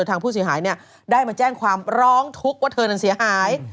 ทางผู้เสียหายได้มาแจ้งความร้องทุกข์ว่าเธอนั้นเสียหาย